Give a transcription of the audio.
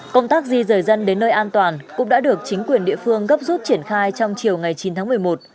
công tác di rời dân đến nơi an toàn cũng đã được chính quyền địa phương gấp rút triển khai trong chiều ngày chín tháng một mươi một